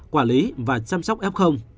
quản lý và chăm sóc f